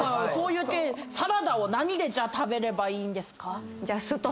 サラダを何で食べればいいんですか？